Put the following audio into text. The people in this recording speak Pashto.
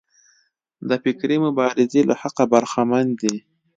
د فکري مبارزې له حقه برخمن دي.